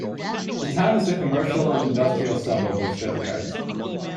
The town is a commercial and industrial suburb with shipyards.